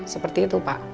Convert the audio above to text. seperti itu pak